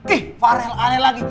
ih farel aneh lagi